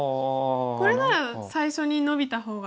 これなら最初にノビた方が。